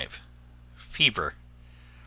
Fever 9.